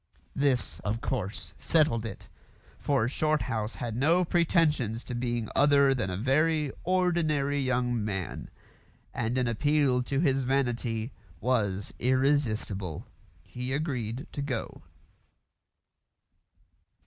This, of course, settled it, for Shorthouse had no pretensions to being other than a very ordinary young man, and an appeal to his vanity was irresistible. He agreed to go.